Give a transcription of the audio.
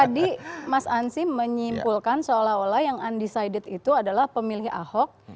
tadi mas ansyim menyimpulkan seolah olah yang undecided itu adalah pemilih ahok